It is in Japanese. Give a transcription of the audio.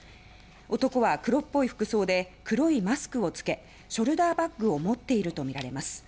男は黒っぽい服装で黒いマスクを付けショルダーバッグを持っているとみられます。